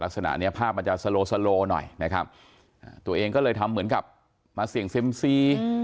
ลักษณะเนี้ยภาพมันจะสโลโซโลหน่อยนะครับตัวเองก็เลยทำเหมือนกับมาเสี่ยงเซ็มซี